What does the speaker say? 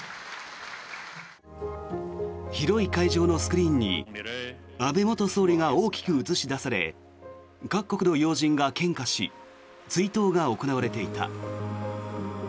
広い会場のスクリーンに安倍元総理が大きく映し出され各国の要人が献花し追悼が行われていた。